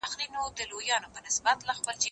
زه به سبا سبزیجات جمع کوم؟